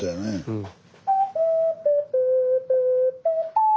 うん。